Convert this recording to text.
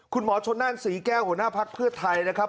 คุณหมอชนนั่นศรีแก้วหัวหน้าภักดิ์เพื่อไทยนะครับ